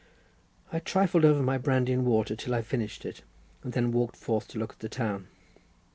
I "trifled" over my brandy and water till I finished it, and then walked forth to look at the town.